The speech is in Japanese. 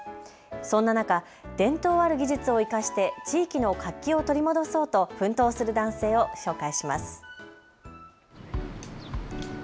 そんな中、伝統ある技術を生かして地域の活気を取り戻そうと奮闘する男性を紹介します。